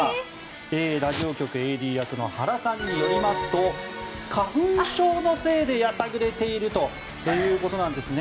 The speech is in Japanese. ラジオ局ＡＤ役の原さんによりますと花粉症のせいでやさぐれているということなんですね。